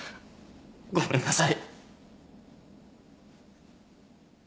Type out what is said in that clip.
ごめんなさい。